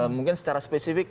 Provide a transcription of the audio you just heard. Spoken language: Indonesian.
mungkin secara spesifik